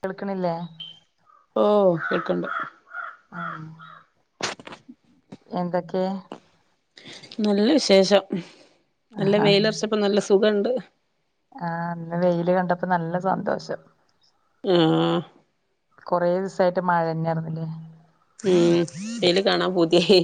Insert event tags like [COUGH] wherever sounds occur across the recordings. കേൾക്കണില്ലേ കേൾക്കിണ്ട് ആ എന്തൊക്കെ നല്ല വിശേഷം നല്ല ആ വേര്ലൊറച്ചപ്പം നല്ല സു [UNINTELLIGIBLE] ആ ഇന്ന് വെയില് കണ്ടപ്പോ നല്ല സന്തോഷം ഉം കൊറേ ദിവസായിട്ട് മഴന്നാർന്നില്ലേ ഉം വെയില് കാണാൻ പൂത്യായി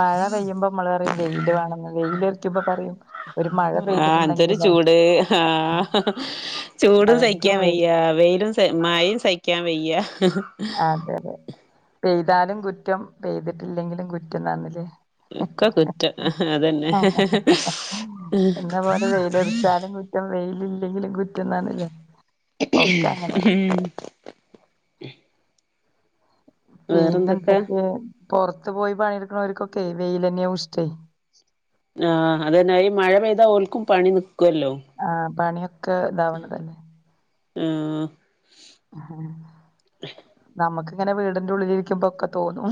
മഴ പെയ്യുമ്പോ നമ്മള് വെയില് വാണംന്ന് വെയില് അർക്കുമ്പ പറിയും ആഹ് എന്തൊരു ചൂട് ഹാ ചൂടും മഴയ്ക്കും സയ്ക്കാൻ വെ വയ്യാ വെയിലും സയ് മയിൽ സയ്ക്കാൻ വയ്യ അതെ അതെ പെയ്താലും കുറ്റം പെയ്തിട്ടില്ലെങ്കിലും കുറ്റംന്നർഞ്ഞിലേ ഒക്കെ കുറ്റം അതെന്നെ ല്ലെങ്കിലും കുറ്റന്നർഞ്ഞിലേ ഉം പിന്നെ വേറെന്തൊക്കെ എന്തൊക്കെ പൊറത്ത് പോയി പണിടിക്കിണോർക്കൊക്കെയ് വെയിലെന്ന്യാവും ഇഷ്ടേ ആഹ് അതെന്നെ ഈ മഴ പെയ്താ ഓൽക്കും പണി നി ആഹ് പണിയൊക്കെ താവ്ണതെന്നെ ഉം നമക്ക് അങ്ങനെ വീടിന്റെ ഉള്ളിലിരിക്കുമ്പോക്കെ തോന്നും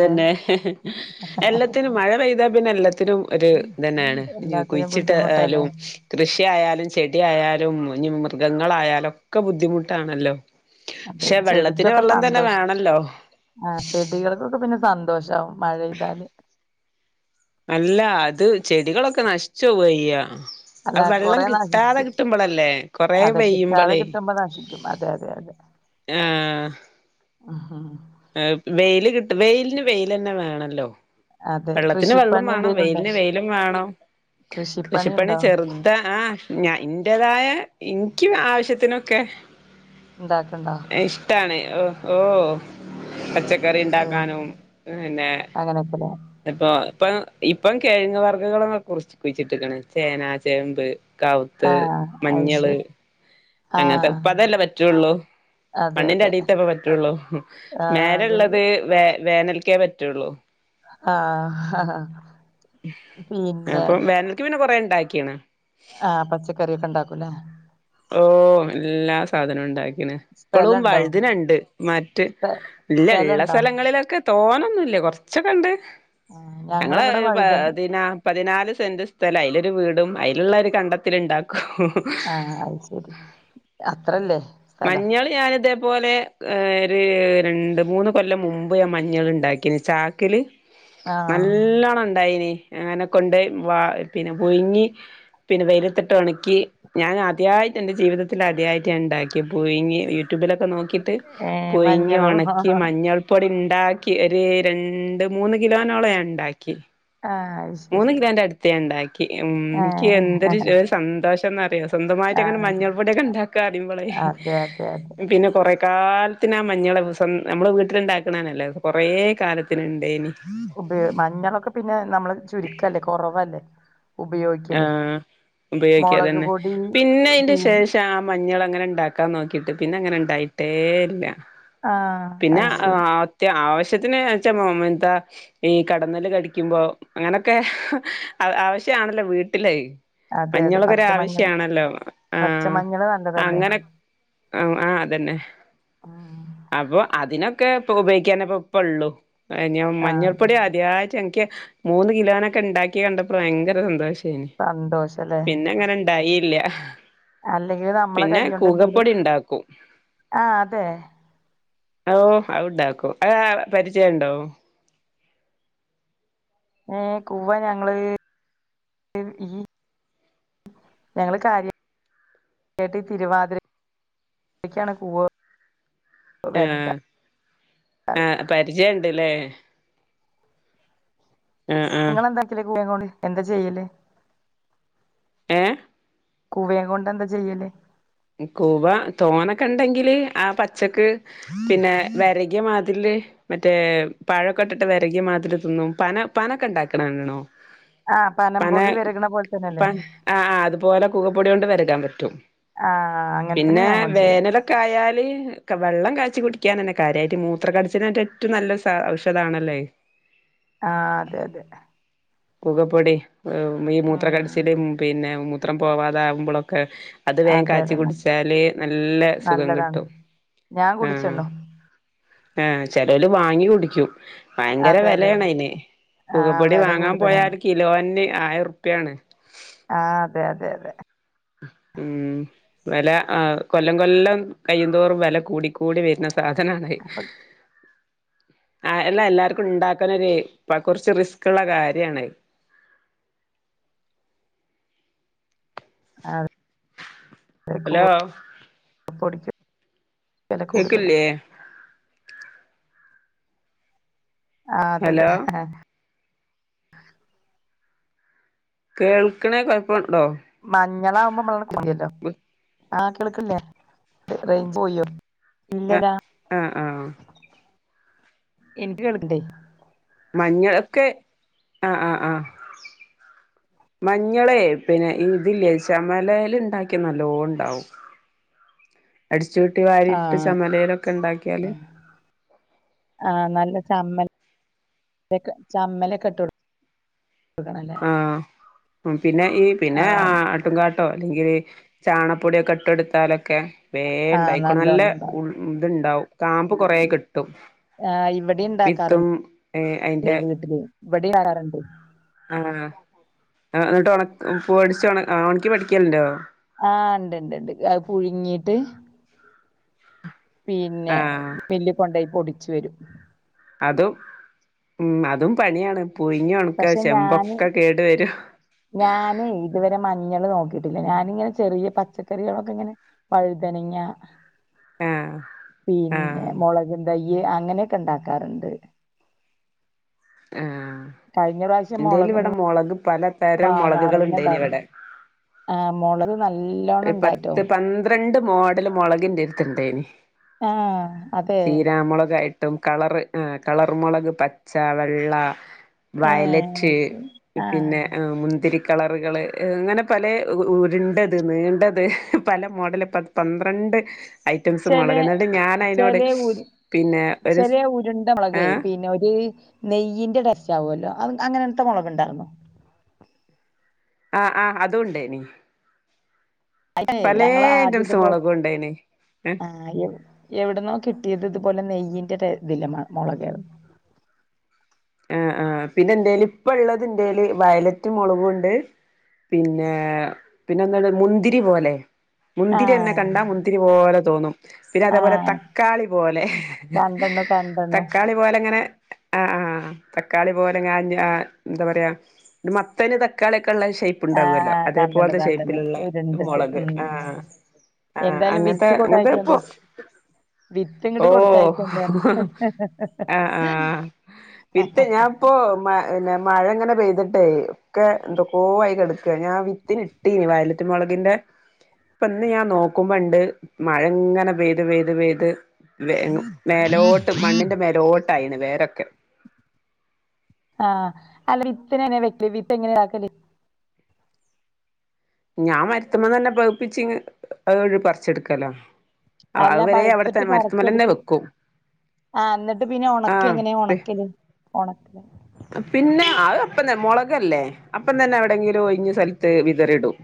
ഏഹ് എല്ലത്തിനും മഴ പെയ്താ പിന്നെല്ലെ ത്തിനും ഒരു ഇതന്നാണ് എല്ലാത്തിനും കുയ്ച്ചിട്ടേ ബുദ്ധിമുട്ടല്ലേ ആയാലും കൃഷിയായാലും ചെടി ആയാലും ലും ഇഞ്ഞ് മൃഗങ്ങളായാലൊക്കെ ബുദ്ധിമുട്ടാണല്ലോ പക്ഷെ വെള്ളത്തിന് ചെടിക്കൊക്കെ വെള്ളം തന്നെ സന്തോഷ് വേണല്ലോ ആ ചെടികൾകൊ ക്ക് പിന്നെ സന്തോഷാവും മഴെയ്താല്. അല്ല അത് ചെടികളൊക്കെ നശിച്ചോവാ ചെയ്യാ അല്ല ആ വെള്ളം കൊറേ കിട്ടാതെ നശിക്കും. കിട്ടുമ്പളല്ലേ കൊറേ അതെ കിട്ടാതെ പെയ്യുമ്പളേ കിട്ടുമ്പൊ നശിക്കും അതെയതെ അതെ. ആഹ് അഹാ ഏഹ് വെയില് കിട്ട് വെയിലിന് വെയിലെന്നെ വേണല്ലോ. അതെ വെള്ളത്തിന് വെള്ളും കൃഷിപ്പണി വേണം. എന്തേലും ഉണ്ടോ വെയിലിന് വെയിലും വേണം കൃഷിപ്പണി ചെറുതാ ആഹ് ഞ ഇന്റെതായെ ക്ക്യ് ആവശ്യത്തിനൊക്കെ ഉണ്ടാക്കണ്ടോ ഇഷ്ടാണ്. ഒ ഓഹ് പച്ച ക്കറി ഓ ഇണ്ടാക്കാനും പിന്നെ അങ്ങനെയൊക്കെല്ലേ ഇപ്പൊ ഇപ്പ ഇപ്പം കിഴങ്ങ് വർഗ്ഗങ്ങള് കുറിച്ച് കുഴിച്ചിട്ടിക്ക്ണ് ചേന, ചേമ്പ് കാവുത്ത്, ആഹ് അത് മഞ്ഞള് ശരി അങ്ങൻത്തെ ആഹ് ഇപ്പ അതല്ലേ പറ്റൊള്ളൂ. അതെ മണ്ണിന്റെ അതെ അടിത്തേപ്പ പറ്റൊള്ളു ആഹ് അതെ അതെ മേലള്ളത് വേ വേനൽക്കേ പറ്റൊള്ളൂ. ആഹ് ഹ ഹാ അപ്പം വേനൽക്ക് പിന്നെ കൊറേ ണ്ടാക്കീണ്. ആ പച്ചക്കറി ഒക്കെ ഉണ്ടാക്കുലേ. ഓഹ് എല്ലാ സാധനവും ഉണ്ടാ ക്കിണ്. ഇപ്പളും സ്ഥലണ്ടോ വഴുതനണ്ട്. മറ്റ് സ്ഥ ഇല്ല ഇള്ള സ്ഥലണ്ടോ സ്ഥലങ്ങളിലൊക്കെ തോനെ ന്നുല്ല കുറച്ചൊക്കെണ്ട്. ആ ഞങ്ങള് ഞങ്ങളിവിടെ പ വഴുതൻ തിനാ പതിനാല് സെൻ്റ് സ്ഥലാ അയ്ലൊരു വീടും അയ്ലുള്ളര് കണ്ടത്തില് ണ്ടാക്കും. ആ അയ് ശരി അത്രല്ലേ സ്ഥലം അതുപോലെ ഏ ഒരു രണ്ട് മൂന്ന് കൊല്ലം മുമ്പ് ഞാൻ മഞ്ഞള് ണ്ടാക്കിന്ന് ചാക്കില് ആ നല്ലോണം ഇണ്ടായിനി അങ്ങനെ കൊണ്ടോയ് വ പിന്നെ പുഴുങ്ങി പിന്നെ വെയിലത്തിട്ട് ഒണക്കി ഞൻ അദ്യായി എന്റെ ജീവിതത്തില് അദ്യായിട്ട് ഞാൻണ്ടാക്കി പുഴുങ്ങി യൂട്യൂബിലൊ ക്കെ നോക്കിട്ട് ഏ പുഴിങ്ങി മഞ്ഞളോ ഒണക്കി മഞ്ഞൾപ്പൊടി ഉണ്ടാക്കി ഒരു രണ്ട് മൂന്ന് കിലോനോളം ഞാൻണ്ടാക്കി ആ അത് മൂന്ന് ശരി കിലാന്റെ അടുത്ത് ഞാൻ ഉണ്ടാക്കി ഉം ഏ എനിക്ക് എന്തൊരു ഒരു സന്തോഷ് ട്ടെന്നറിയോ സ്വന്തമായിട്ട് ആ അങ്ങനെ മഞ്ഞൾ പൊടിയൊക്കെണ്ടാക്കാ അറിമ്പളേയ് അതെ അതെ അതെ പിന്നെ കൊറേക്കാൽ ത്തിനാ മഞ്ഞള് സ്വ നമ്മള് വീട്ടില്ണ്ടാക്കണന്നെല്ലേ കൊറേ കാലത്തിന്ണ്ടേയ്നി ഉപയോ മഞ്ഞളൊക്കെ പിന്നെ നമ്മള് ചുരുക്കല്ലേ കൊറവല്ലെ ഏ മുളക് ഉപയോഗിക്കാതന്നെ പൊടി പിന്നെ അയ്ന്റെ പി ശേഷം ആ മഞ്ഞളങ്ങനെണ്ടാക്കാൻ നോക്കി ട്ട് പിന്നെ അങ്ങനെ ഇണ്ടായിട്ടേ ഇല്ല ആ പിന്നെ അത് അഹ് ശരി അത്യാവിശ് എത്ത്നോ [UNINTELLIGIBLE] ച്ചാ [UNINTELLIGIBLE] ഈ കടെന്നല്ല് കടിക്കുമ്പോ അങ്ങനൊക്കെ അ ആവശ്യാണ് ഇല്ല വീട്ടിലെയ് അതെ അതെ മഞ്ഞളൊക്കൊരു പച്ചമഞ്ഞള് ആവശ്യാണല്ലോ ആഹ് പച്ചമഞ്ഞള് നല്ലതല്ലേ അങ്ങനെ ആഹ് അഹ് അതന്നെ ഉം അപ്പൊ അതിനൊ ക്കെ ഉപോഗിക്കാനേപ്പ ഇപ്പ ഒള്ളു ഞാ ആ മഞ്ഞൾപ്പൊടി അദ്യയി്ട്ടാ എൻക്ക് മൂന്ന് കിലോനൊക്കെ ഇണ്ടാക്ക്യേ കണ്ടപ്പള് ഭയങ്കര സന്തോ ഉം സന്തോഷല്ലേ പിന്നെ അങ്ങനെ ഇണ്ടായില്ല അഹ് അല്ലെങ്കിൽ നമ്മളെ കയൊണ്ടെ ന്തേിലും ഇണ്ടാക്കും ആഹ് അതെ ഓഹ് അഔണ്ടാക്കും അഹ് പരിചയം ഇണ്ടോ ഏഹ് കൂവ്വാ ഞങ്ങള് ഈ ഞങ്ങള് കാര്യം കേട്ട് തിരുവാതിരക്കാണ് കൂവ ആഹ് വരക്കാറ് ആഹ് പരിചയം ഇണ്ട് ലേ. ആഹ് ആഹ് നിങ്ങളെന്താക്കല് [UNINTELLIGIBLE] എന്താ ചെയ്യല്? ഏഹ് ക്കൂവെ കൊണ്ട് എന്താ ചെയ്യല് ഇ കൂവ തോനൊക്കെ ഇണ്ടെങ്കില് ആഹ് പച്ചക്ക് പിന്നെ വെരക്യ മാതിര്ല് മറ്റേ പാഴൊക്കെ ഇട്ടിട്ട് വെരക്യ മാതിരി തിന്നും പന പനൊക്കെ ഉണ്ടാക്ക്ണ ണ്ട്ണോ ആ പന പനംപൊടി വരകണ പോലെ തന്നെയല്ലേ പന ആഹ് അതുപോലെ കുകപ്പൊട്യകൊണ്ട് വെരകാൻ പറ്റും ആ അങ്ങനെ തന്നെ പിന്നെ ഞങ്ങളും ചെയ്യാ വേനലൊക്കെ ആയാല് വെള്ളം കാച്ചി കുടിക്കാൻ തന്നെ കാര്യായിട്ട് മൂത്ര കടിച്ചിനായിട്ട് ഏറ്റവും നല്ല ഔഷധാണല്ലോ അത്. ആഹ് അതെ അതെ കുകപ്പൊടി. ഈ ഉം മൂത്രക്കടച്ചില് മ് പിന്നെ ത്രം പോവാതാകുമ്പളൊക്കെ. അത് വേങ്കാ അതെ ച്ചി അതെ ന- കുടിച്ചാല് നല്ല സുഖം നല്ലതാണ് കിട്ടും. ഞാൻ ആഹ് കുടിച്ചിണ്ണു ആഹ് ചെലോൽ വാങ്ങി കുടിക്ക്യു. ഭയങ്കര അതെ അതെ വെലേണ് അയ്ന്. ആ കുകപ്പൊടി വില വാങ്ങാൻ കൂടുതലാണ് പോയാൽ കിലോൻ ന് ആയിര ഉർപ്യ ആണ്. ആഹ് അതെ അതെ അതെ ഉം വെല ആ കൊല്ലം കൊല്ലം കയ്യുന്തോറും വെല കൂടിക്കൂടി വര്ന സാധനാണത്. അപ്പൊ ആഹ് എല്ലാ എല്ലാർക്കും ഉണ്ടാക്കനൊര് പ്പ കൊർച്ച് റിസ്ക് ഉള്ള കാര്യാണത്. ആഹ് അലോ അപ്പൊടിച്ച് വില കൂടുതലാ ആഹ് അതെ ഹലോ അതെ കേൾക്ക്ണേ കൊഴപ്പ മഞ്ഞളാകുമ്പോ മ്മള [UNINTELLIGIBLE] ആഹ് കേൾക്കില്ലേ റെയ്‌ഞ്ച് പോയോ? ആ ഇല്ലടാ ആഹ് ആഹ് എനിക്ക് കേൾക്ക്ണ്ടേ മഞ്ഞൾക്ക് ആഹ് ആഹ് ആഹ് മഞ്ഞളേ പിന്നെ ഇതില്ലേ ചമലേൽ ഇണ്ടാക്കിയ നല്ലോണ്ടാവും അടിച്ച് ച്ചൂട്ടി വാരിട്ട് ആഹ് ചമലയിലെ ലൊക്കെണ്ടാക്കിയാല് ലെക്കെ ചമ്മലൊക്കെ ഇട്ട് കൊട് കൊടുക്കണല്ലേ ആ ഉം പിന്നെ ഈ പിന്നെ ആ ആഹ് ആട്ടുകാട്ടോ അല്ലെങ്കില് ചാണപ്പൊടിക്കെ ഇട്ട് കൊട്ത്താലൊക്കെ ആഹ് വേണ്ടായിക്കൊളും നല്ല നല്ലോണം ഉണ്ടാവും ഉൾ ത്ണ്ടാവും കാമ്പ് കൊറെ കിട്ടും ആഹ് ഇവിടെ വിത്തും ഉണ്ടാക്കാറുണ്ട് ഏ ഐന്റെ വഡിയ ആറണ്ട് ആഹ് ആ ന്നിട്ട് ഒണക്ക് പൊടിച്ച് ഒണക്ക് ഒണക്കി പൊടിക്കല്ണ്ടോ? ആഹ് ണ്ട് ണ്ട് ണ്ട് അത്‌ പുഴുങ്ങീട്ട് പിന്നെ ആഹ് മില്ല് കൊണ്ടോയി പൊടി ച്ച് വരും അതും ഉം അതും പണിയാണ് പുയ്ങ്ങി ഒണക്ക പക്ഷെ ഞാന് ചെമ്പൊക്കെ കേട് വരും ഞ്ഞള് നോക്കീട്ടില്ല ഞാനിങ്ങനെ ചെറിയ പച്ചക്കറികളൊക്കെ ഇങ്ങനെ വഴുതനങ്ങ ആഹ് പിന്നെ ആഹ് മൊളകും തൈ യ്യ് അങ്ങനെക്കെണ്ടാക്കാറുണ്ട് ആഹ് ഇന്റേല് വടെ മൊളക് പലതരം മൊളകുകൾ ഇണ്ടേനി വാങ്ങാറ്ന്നെണ്ടായ്നില ഇവിടെ ആഹ് മുളക് നല്ല പത്ത് പന്ത്രണ്ട് മോഡല് മുളകിന്റെട്ത്ത്ണ്ടേയ്നി ആഹ് അതേ ട്ടും കളറ് ആഹ് കളറ്മൊളക് പച്ച വെള്ള ഏഹ് വയലറ്റ് അത് ശരി ആഹ് പിന്നെ അ മുന്തിരി കളറ്കള് അങ്ങനെ പലേ ഉ ഉര്ണ്ട് ത് നീണ്ടത് പല മോഡല് പത് പന്ത്രണ്ട് ഐറ്റംസ് ചെലെ മുളക് എന്നിട്ട് ഞാൻ അതിനോട് ചെലേ ഉര് പിന്നെ ഒരു ചെലേ ഉര്ണ്ട മാെളകേ ഏ പിന്നെ ഒര് നെയ്യ്ന്റെ ടെസ്റ്റാവാെല്ലോ അങ് അങ്ങനെത്തെ മൊളക്ണ്ടാർന്നോ ആഹ് ആഹ് അതുണ്ടേനീ അതേ ഞങ്ങളാദ്യം ഇത്പോലെ മുളകും ഉണ്ടേനി ഏ ആഹ് എവ് എവ്ട്ന്നോ കിട്ടിയത് ഇത്പോലെ നെയ്യ് ഇന്റെതേര്ന്നില്ല മ മൊളെകെരം ആഹ് ആഹ് പിന്നെ ന്റേല് ഇപ്പള്ളത് ന്റേല് വയലറ്റ് മൊളകുണ്ട് പിന്നെ പിന്നെ എന്താള്ള് മുന്തിരി പോലെ മുന്തിര്യെന്നെ ആഹ് കണ്ടാ മുന്തിരി പോലെ തോന്നും പിന്നെ അതേപോലെ ആഹ് തക്കാളി പോലെ കണ്ടണ്ണു കണ്ടണ്ണു തക്കാളി പോലെങ്ങനെ ആഹ് ആഹ് തക്കാളി പോലെ കാഞ്ഞ ന്താ പറയാ മത്തന് തക്കാളി ക്കള്ള ഷേ്പ് ഉണ്ടാാവല്ലോ ആഹ് കണ്ടണ്ണു അതേപോലത കണ്ടണ്ണു ഷേപ്പിലുള്ള ഉരുണ്ടിട്ട് മുളക് ഉം ആഹ് ആഹ് എന്തായാലും അങ്ങനത്തെ വിത്ത് അങ്ങനത്തെ ഇപ്പൊ കൊടായിക്കൊണ്ട് വിത്ത് ഇങ്ങട്ട് ഓഹ് കൊടുത്തയക്കണ്ടാന്ന് ആഹ് ആഹ് വിത്ത് ഞാൻ ഇപ്പോ മ ന്നെ മഴ ങ്ങനെ പെയ്തിട്ടെ ഒക്കെ എന്തൊക്കോ ആയ് കെട് ക്ക ഞാൻ വിത്തിന് ഇട്ടീനി വയല റ്റൽ മൊളക്ന്റെ പ്പ ഇന്ന് ഞാൻ നോക്കുമ്പണ്ട് മഴങ്ങനെ പെയ്ത് പെയ്ത് പെയ്ത് വെ മേലോട്ട് മണ്ണ്ന്റെ മേലോട്ടായ്ണ് വേരൊക്കെ ആഹ് അല്ല വിപ്പങ്ങനെ വെക്കല് വിപ്പ എങ്ങനെ ആക്കല് ഞാൻ മര്ത്ത്മന്നെ പകിപ്പി അത് പറിച്ചെടുക്കല അല്ലാ പഴുത്തിട്ട് പറിച്ചെടുക്കും വെക്കും ആഹ് എന്നിട്ട് പിന്നെ ഉണക്ക എങ്ങനെയ ആഹ് ഉണക്കല് ഉണക്കല് പിന്നെ അ അപ്പന്നെ മുളകല്ലേ അപ്പം തന്നെ എവിടെങ്കിലും ഒഴിഞ്ഞ സ്ഥലത്ത് വിതറിടും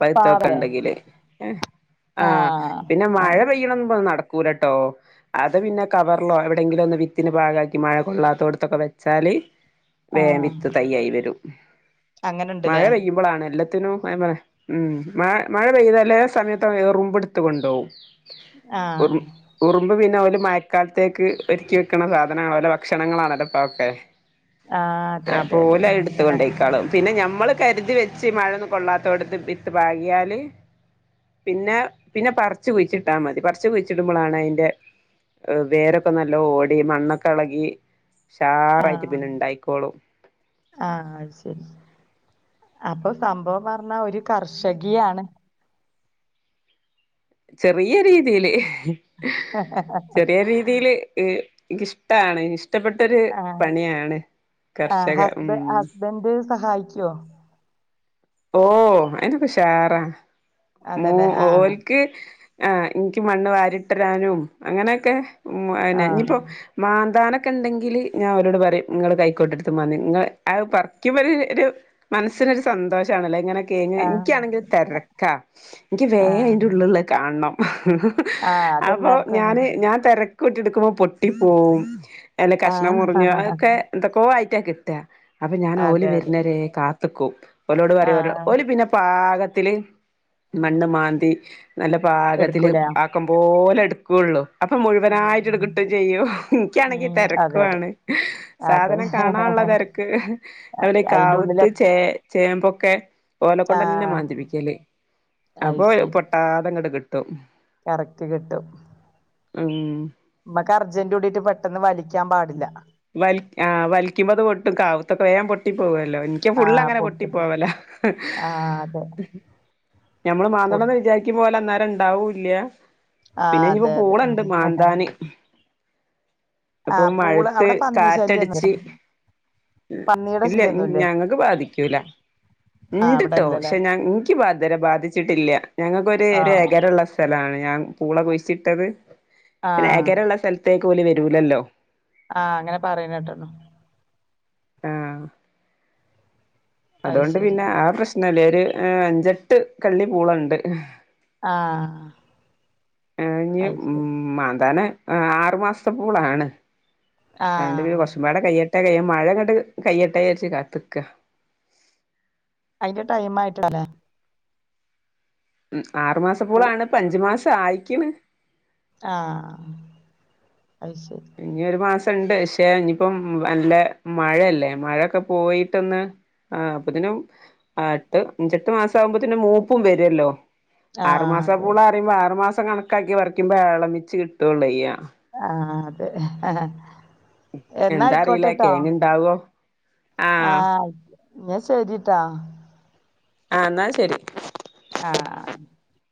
പഴുത്തക്കെ പാവല് ഉണ്ടെങ്കില് ആഹ് പിന്നെ മഴ പെയ്യ്ണം പോ നട കൂലട്ടോ അത് പിന്നെ കവറിലോ എവിടെങ്കിലൊന്ന് വിത്തിന് പാഗാക്കി മഴ കൊള്ളാത്തോടുത്ത് ത്തെക്കെ വച്ചാല് വേ ആഹ് വിത്ത് തൈയായി വരും മഴ അങ്ങനെണ്ട്ല്ലേ പെയ്യുമ്പളാണ് എല്ലാ ത്തി പറ ഉം മഴ മഴ പെയ്തല്ലേ സമയത്ത് എറുമ്പെടുത്ത കൊണ്ടൊകും ആഹ് റ് ഉറുമ്പ് പിന്നെ ല മയക്കാലത്തേക്ക് ഒരുക്കി വെക്ക്ണ സാധനാണ് ഓലെ ഭക്ഷണങ്ങളാണല്ലോ തക്കെ ആഹ് അതെ ആ അതെ അതെ പോല അത് എടുത്തൊണ്ടേക്കാളും പിന്നെ ഞമ്മ നമ്മള് കരുതി വെച്ച് മഴൊന്നും കൊള്ളാത്തോട്ത്ത് വിത്ത് പാകിയാല് പിന്നെ പിന്നെ പർച്ച് കുഴിച്ചിട്ടാ മതി പർച്ച് കുഴിച്ചിടുമ്പളാണയിന്റെ വേരൊക്കെ നല്ലോ ഓടി മണ്ണൊക്കെ എളകി ഷാറായിട്ട് ആഹ് പിന്നെണ്ടായിക്കോളും ആഹ് അത് ശരി അപ്പൊ സംഭവം പറഞ്ഞാ ഒരു കർഷകിയാണ് ചെറിയ രീതിയില് ചെറിയ രീതീല് ഈ ഇൻകിഷ്ടാണ് ഇഷ് ഷ്ടപ്പെട്ടൊര് ആഹ് പണിയാണ് കർഷക ഉം ക്കോ ഓ അയിനൊക്കൊഷാറാ മൂ അതെല്ലേ ഒ ആഹ് ഓൽക്ക് ആഹ് എൻക്ക് മണ്ണ് വാരിട്ടരാനും അങ്ങനെക്കെ ഉം അയന്നെ ആഹ് ഇഞ്ഞിപ്പോ മാന്താന ക്കണ്ടെങ്കില് ഞാ ഓരോട് പറയും ങ്ങള് കൈക്കോട്ടെടുത്ത് മാന്തി ങ്ങള് അത്‌ പറിക്കുമ്പര് ഒരു മനസ്സിനൊരു സന്തോ ഷ്‌ടാണ് ല്ലെ ഇങ്ങനെ കെയ്ഞ്ഞ് ആഹ് ഇൻക്ക്യാണെങ്കിൽ തെരക്കാ എൻക്ക് വേ ആഹ് അയിൻ്റ ഉള്ളിള്ളത് കാണണം. ആഹ് അപ്പോ അതെല്ലാർക്കും ഞാന് അങ്ങനെ ഞാൻ തെര കൂട്ടി ട്ക്കുമ്പം പൊട്ടി പോവും. എല്ല കഷ്ണം മുറിഞ്ഞു ആഹ് അതൊക്കെ എന്തൊക്കോ ആയി ട്ട്യാ കിട്ടാ അപ്പൊ ഞാൻ ഓല് അതെ അതെ വര്ന്നരേ കാ തുക്കും ഓലോട് പറയോല്ലൊ ആഹ് ഓല് പിന്ന പാക ത്തില് മണ്ണ് മാന്തി നല്ല പാകത്തില് എടുക്കൂലേ ആക്കം പോല എട് ക്കൂള്ളൂ. അപ്പം ഉം മുഴുവനായിട്ട് ട് ക്ക്ട്ടും ചെയ്യും ഇൻക്ക്യാണെങ്കി ഉം അതെ അതെ തെരക്കുവാണ്. അതെ സാധനം കാണാള്ള തെരക്ക് അവോലെ അയിന്റെ ഉള്ളിൽ കാവുത്ത്, എത്ര ചേ ചേമ്പൊക്കെ ഓലെ കൊണ്ടെന്ന ആഹ് മാന്തിപ്പിക്കല് അത് അപ്പൊ ശരി പൊട്ടാതങ്ങട് കി ട്ടും കറക്റ്റ് കിട്ടും ഉം മ്മക്ക് അർജന്റൂടീട്ട് പെട്ടെന്ന് വലിക്കാം പാടില്ല വൽ ആ വൽക്കിമ്പത് പൊട്ടും കാവുത്തൊക്ക വേം പൊട്ടി പോവെ ല്ലോ ഇൻക്ക് ആഹ് ഫുള്ളങ്ങനെ പൊട്ടി പൊട്ടുമ്പോ പോവലാ ആഹ് അതെ ഞമ്മള് പൊ മാന്തണന്ന് വിജാരിക്കുമ്പോലന്നാ ണ്ടാവൂല്ല്യ ആഹ് പിന്നെഞ്ഞ്പ്പ അതെ അതെ പോണ് ണ്ട് മാന്താന് ആ അപ്പൊ പൂള് മഴത്ത് അവ്ടെ കാറ്റടിച്ച് പന്നിയുടെ ഇല്ല ശല്യൊന്നുല്ലേ ഞങ്ങക്ക് ബാധിക്കൂല ആഹ് ണ്ട്ട്ടോ അവിടെല്ലല്ലേ ശെ ഞങ്ങ് ൻക്ക് ബ ദരെ ബാധിച്ചിട്ടില്ല്യ ഞങ്ങക്കൊര് ര് ആഹ് എകരള്ള സ് [UNINTELLIGIBLE] ണ് ഞാൻ പൂള കുയ്ച്ചിട്ടത് പിന്നെ ആഹ് എകരള്ള സൽത്തേ തൊലി വരൂലല്ലോ ആഹ് അങ്ങനെ പറയുന്നേട്ട്ണ്. ആഹ് അത് അതുകൊണ്ട് ശരി പിന്നെ ആ പ്രശ്നല്ലേ രു ആ അഞ്ചെട്ട് കള്ളി പൂളണ്ട് ആഹ് ആ നി അത് ശരി മാന്താന് ആഹ് ആറു മാസത്തെപ്പൂളാണ് ആ ഇണ്ട് ആഹ് പീല്കുറച്ചും പാടെ കയ്യട്ടെ ട്ട കയ്യുംമഴങ്ങട്ട് കയ്യെട്ടെച്ച് കാത്ത്ക്കാ അയ്ന്റെ ടൈം ആയിട്ട്ണ്ടാവൂല മ് ആറു പോ മാസപ്പൂളാണ് ഇപ്പഞ്ച് മാസ് സായിക്ക്ണ് ആഹ് അഅ്ശ- ഇനിയൊരു മാസം ണ്ട് ക്ഷേ ഇനിയിപ്പം നല്ല മഴയല്ലേ മഴൊക്കെ പോയിട്ടൊന്ന് ആ അപ്പത്തിനും ആ എട്ട് അഞ്ചെട്ട് മാസം ആകുമ്പോത്തിനും മൂപ്പും വരൊല്ലോ ആഹ് ആറുമാസ അതെ പൂളാന്നറിമ്പോ ആറുമാസം സം കണക്കാക്കി പറിയ്ക്കുമ്പോ ഏളമിച്ച് കിട്ടൊള്ളുയ്യാ ആഹ് അതെ ഹ്ഹാ എന്താ അറിയില കേങ്ങ് ഉണ്ടാവോ ആഹ് എന്നാ ശരി ട്ടാ ആഹ് എന്നാ ശെരി ആഹ്